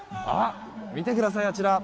見てください、あちら。